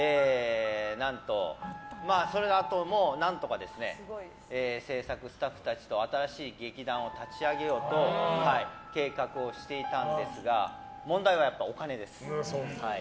そのあとも何とか制作スタッフたちと新しい劇団を立ち上げようと計画をしていたんですが問題は、やっぱりお金です。